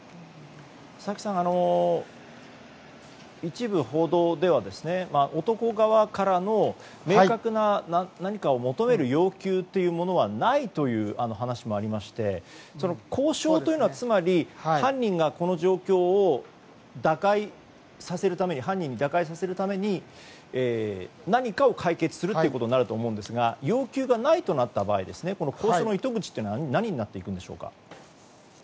佐々木さん、一部報道では男側からの明確な何かを求める要求というものはないという話もありまして交渉というのは、つまり犯人にこの状況を打開させるために何かを解決するということになると思うんですが要求がないとなった場合この交渉の糸口は何になっていくのでしょうか。